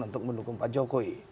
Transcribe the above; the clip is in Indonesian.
untuk mendukung pak jokowi